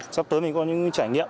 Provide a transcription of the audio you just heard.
sắp tới mình có những trải nghiệm